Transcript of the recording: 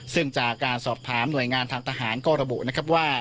ซึ่งจากการสอบถามหน่วยงานทางทหารก็ระบุนะครับว่า